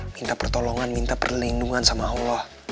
minta pertolongan minta perlindungan sama allah